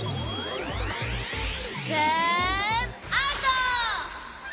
ズ−ムアウト！